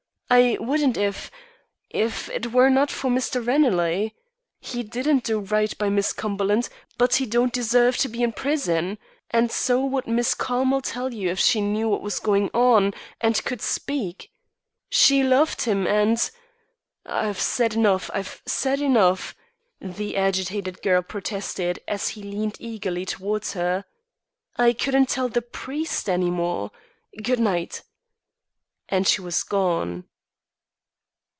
I wouldn't if if it were not for Mr. Ranelagh. He didn't do right by Miss Cumberland, but he don't deserve to be in prison; and so would Miss Carmel tell you if she knew what was going on and could speak. She loved him and I've said enough; I've said enough," the agitated girl protested, as he leaned eagerly towards her. "I couldn't tell the priest any more. Good night." And she was gone.